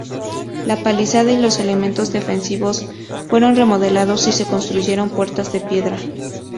La palizada y los elementos defensivos fueron remodelados, y se construyeron puertas de piedra.